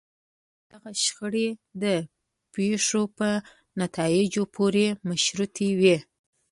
دغه شخړې د پېښو په نتایجو پورې مشروطې وي.